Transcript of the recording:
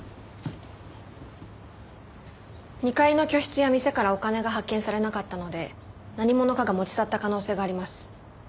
２階の居室や店からお金が発見されなかったので何者かが持ち去った可能性があります。